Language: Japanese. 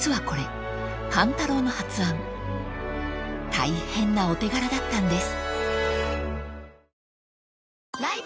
［大変なお手柄だったんです］